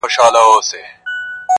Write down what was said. • نن شپه بيا زه پيغور ته ناسته يمه.